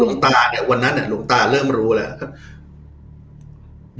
หลวงตาเนี่ยวันนั้นเนี่ยหลวงตาเริ่มรู้แล้วครับ